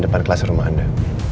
saya mau ke rumah anda